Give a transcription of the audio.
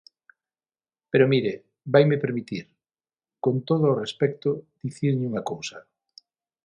Pero mire, vaime permitir, con todo o respecto, dicirlle unha cousa.